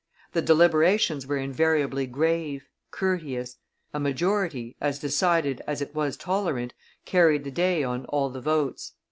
The deliberations were invariably grave, courteous; a majority, as decided as it was tolerant, carried the day on all the votes.